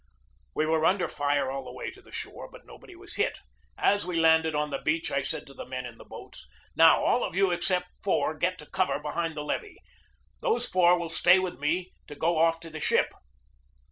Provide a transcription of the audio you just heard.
We were under fire all the way to the shore, but nobody was hit. As we landed on the beach I said to the men in the boats: "Now, all of you except four get to cover behind the levee. Those four will stay with me to go off to the ship."